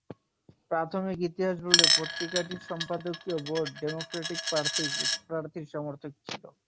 প্রাথমিক ইতিহাস বলে পত্রিকাটির সম্পাদকীয় বোর্ড ডেমোক্র্যাটিক পার্টির সমর্থক ছিল।